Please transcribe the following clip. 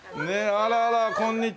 あらあらこんにちは。